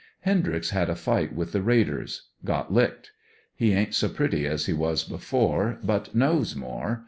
Hendryx had a tight with the raiders — got licked. He ain't so pretty as he was before, but knows more.